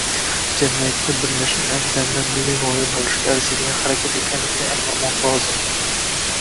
– jamiyatga birlashtirish ayni damda milliy g‘oya bo‘lishga arziydigan harakat ekanligini anglamoq lozim.